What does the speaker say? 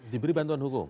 diberi bantuan hukum